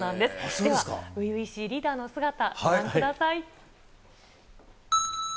では、初々しいリーダーの姿、ご覧ください。